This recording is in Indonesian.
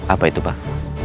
apa itu pak